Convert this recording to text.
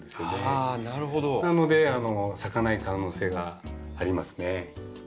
なので咲かない可能性がありますね。